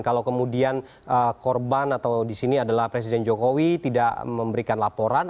kalau kemudian korban atau di sini adalah presiden jokowi tidak memberikan laporan